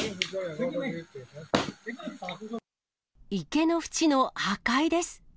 池の縁の破壊です。